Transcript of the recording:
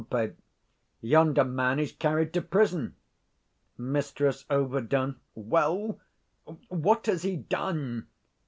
_ Yonder man is carried to prison. Mrs Ov. Well; what has he done?